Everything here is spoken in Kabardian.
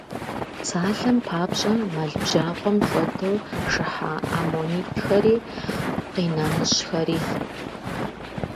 Псалъэм папщӏэ, мэл бжьакъуэм хуэдэу шыхьа аммонитхэри къинэмыщӏхэри.